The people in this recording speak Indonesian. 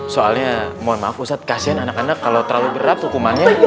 soalnya mohon maaf pusat kasian anak anak kalau terlalu berat hukumannya